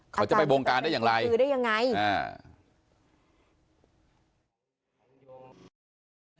เขาจะไปบงการได้อย่างไรคือได้ยังไงอ่า